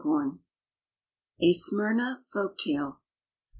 96 A Smyrna Folk Tale.